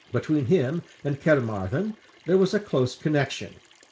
Between him and Caermarthen there was a close connection.